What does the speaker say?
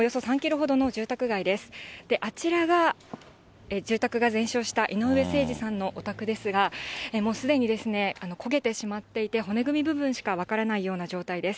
あちらが住宅が全焼した井上盛司さんのお宅ですが、もうすでにですね、焦げてしまっていて、骨組み部分しか分からないような状態です。